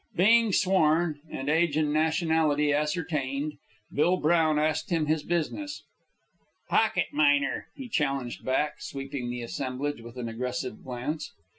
Being sworn, and age and nationality ascertained, Bill Brown asked him his business. "Pocket miner," he challenged back, sweeping the assemblage with an aggressive glance.